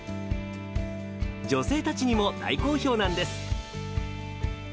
女性たちにも大好評なんです。